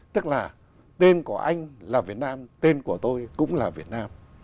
tức là tên của anh là việt nam tên của tôi cũng là việt nam